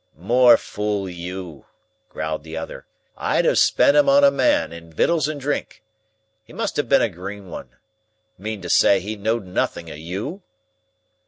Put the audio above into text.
"More fool you," growled the other. "I'd have spent 'em on a Man, in wittles and drink. He must have been a green one. Mean to say he knowed nothing of you?"